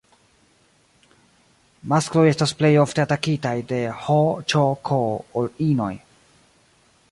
Maskloj estas plej ofte atakitaj de HĈK ol inoj.